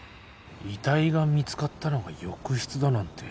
遺体が見つかったのが浴室だなんて。